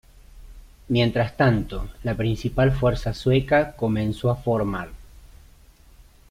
Mientras tanto, la principal fuerza sueca comenzó a formar.